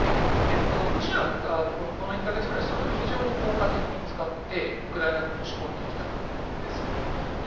ロシアがこの１か月ぐらいそれを非常に効果的に使ってウクライナ軍を押し込んできたんですよね。